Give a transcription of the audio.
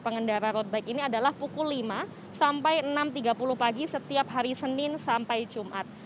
pengendara road bike ini adalah pukul lima sampai enam tiga puluh pagi setiap hari senin sampai jumat